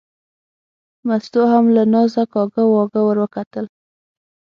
مستو هم له نازه کاږه واږه ور وکتل.